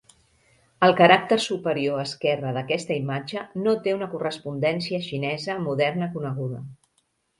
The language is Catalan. El caràcter superior esquerre d'aquesta imatge no té una correspondència xinesa moderna coneguda.